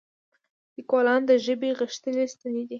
لیکوالان د ژبې غښتلي ستني دي.